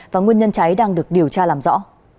và nguyên nhân cháy đang được điều tra làm rõ